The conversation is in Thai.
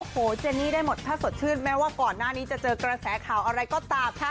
โอ้โหเจนี่ได้หมดถ้าสดชื่นแม้ว่าก่อนหน้านี้จะเจอกระแสข่าวอะไรก็ตามค่ะ